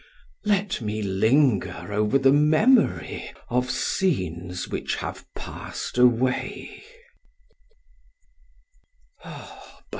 Let me linger over the memory of scenes which have passed away.